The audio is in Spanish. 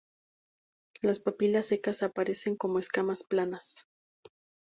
Las papilas secas aparecen como escamas planas.